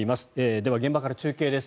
では現場から中継です。